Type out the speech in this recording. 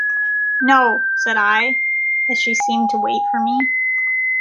"No," said I, as she seemed to wait for me.